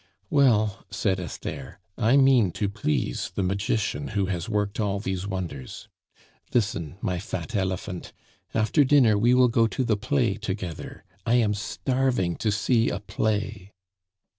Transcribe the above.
"Well," said Esther, "I mean to please the magician who has worked all these wonders. Listen, my fat elephant, after dinner we will go to the play together. I am starving to see a play."